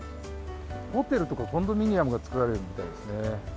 ホテルとかコンドミニアムが造られるみたいですね。